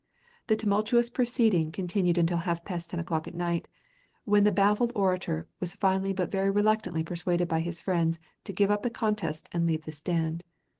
The tumultuous proceeding continued until half past ten o'clock at night, when the baffled orator was finally but very reluctantly persuaded by his friends to give up the contest and leave the stand.